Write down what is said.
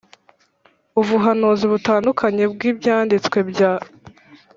Ubuhanuzi butandukanye bw Ibyanditswe bya